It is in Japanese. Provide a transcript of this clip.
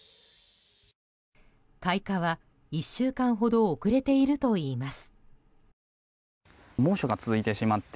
開花は１週間ほど遅れているといいます。